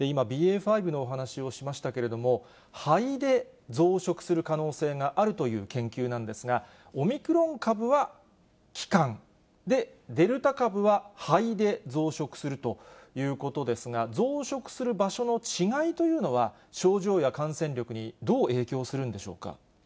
今、ＢＡ．５のお話をしましたけれども、肺で増殖する可能性があるという研究なんですが、オミクロン株は気管で、デルタ株は肺で増殖するということですが、増殖する場所の違いというのは、症状や感染力にどう影響するんでしょうか。